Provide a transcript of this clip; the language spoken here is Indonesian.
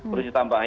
ini kan berubah